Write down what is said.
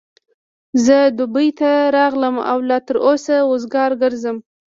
زه دبۍ ته راغلم او لا تر اوسه وزګار ګرځم.